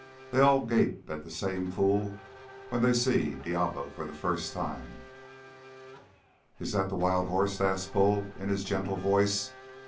"They all gape the same fool way when they see Diablo the first time." "Is that the wild horse?" asked Bull in his gentle voice.